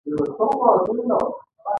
غوښتنه وشوه چې یرغلګر ځواکونه دې ووځي.